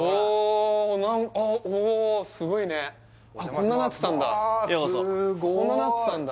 こんななってたんだ